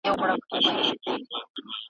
پر می نوشو جوړ اختر سو